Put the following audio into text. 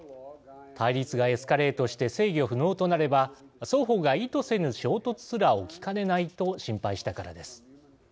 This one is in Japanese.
対立がエスカレートして制御不能となれば双方が意図せぬ衝突すら起きかねないと心配したからです。